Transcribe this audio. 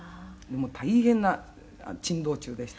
「大変な珍道中でした」